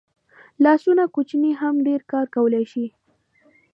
لاسونه کوچني هم ډېر کار کولی شي